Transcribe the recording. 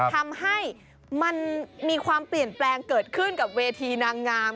ทำให้มันมีความเปลี่ยนแปลงเกิดขึ้นกับเวทีนางงาม